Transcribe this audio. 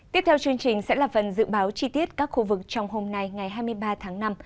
tiếp theo chương trình sẽ là phần dự báo chi tiết các khu vực trong hôm nay ngày hai mươi ba tháng năm